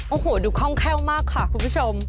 โอ้โหดูคล่องแคล่วมากค่ะคุณผู้ชม